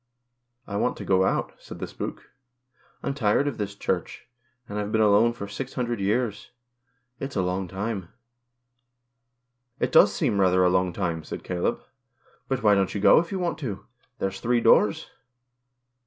"I want to go out," said the spook, "I'm tired of this Church, and I've been alone for six hundred years. It's a long time." 181 GHOST TAXES. "It does seem rather a long time," said Caleb, " but why don't you go if you want to ? There's three doors."